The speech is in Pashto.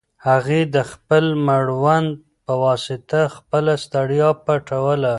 هغې د خپل مړوند په واسطه خپله ستړیا پټوله.